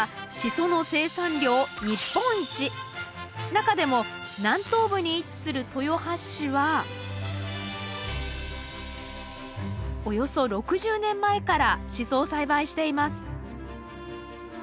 中でも南東部に位置する豊橋市はおよそ６０年前からシソを栽培しています。